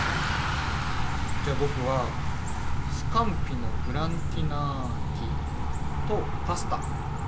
じゃ僕はスカンピのグラティナーティ？とパスタ。